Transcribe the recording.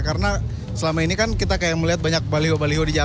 karena selama ini kan kita kayak melihat banyak baliho baliho di jalan